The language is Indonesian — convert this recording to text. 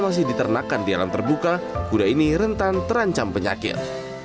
karena masih diternakan di alam terbuka kuda ini rentan terancam penyakit